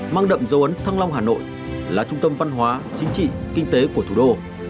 mang đậm dấu ấn thăng long hà nội là trung tâm văn hóa chính trị kinh tế của thủ đô